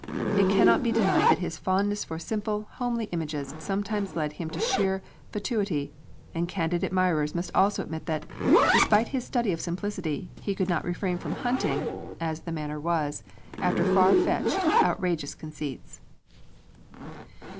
It cannot be denied that his fondness for simple, homely images sometimes led him into sheer fatuity; and candid admirers must also admit that, despite his study of simplicity, he could not refrain from hunting (as the manner was) after far fetched outrageous conceits."